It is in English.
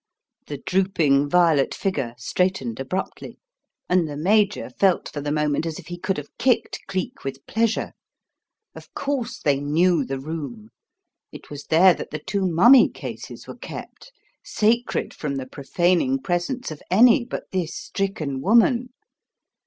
The drooping, violet figure straightened abruptly, and the Major felt for the moment as if he could have kicked Cleek with pleasure. Of course they knew the room. It was there that the two mummy cases were kept, sacred from the profaning presence of any but this stricken woman.